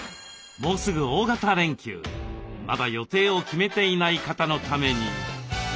もうすぐ大型連休まだ予定を決めていない方のために。